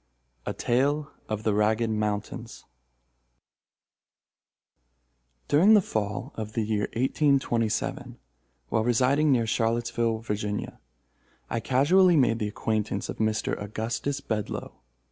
A TALE OF THE RAGGED MOUNTAINS During the fall of the year 1827, while residing near Charlottesville, Virginia, I casually made the acquaintance of Mr. Augustus Bedloe.